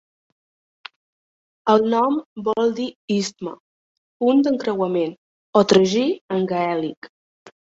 El nom vol dir "istme", "punt d'encreuament" o "tragí" en gaèlic.